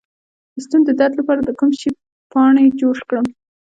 د ستوني د درد لپاره د کوم شي پاڼې جوش کړم؟